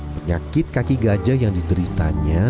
penyakit kaki gajah yang dideritanya